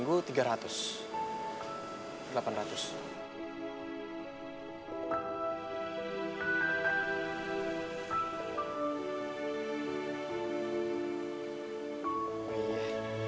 duh ini aja